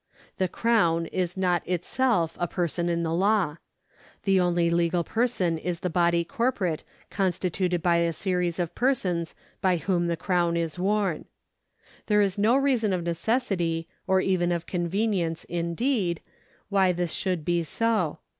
The Crown is not itself a person in the law. The only legal person is the body corporate constituted by the series of persons by whom the crown is worn. There is no reason of necessity or even of convenience, indeed, why this should be so.